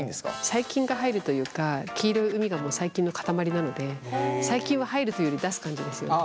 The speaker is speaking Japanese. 細菌が入るというか黄色い膿が細菌の塊なので細菌は入るというより出す感じですよね。